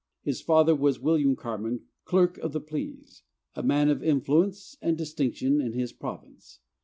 His father was William Carman, Clerk of the Pleas, a man of influence and distinction in his Province.